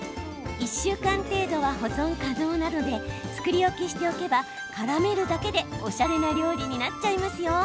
１週間程度は保存可能なので作り置きしておけばからめるだけでおしゃれな料理になっちゃいますよ。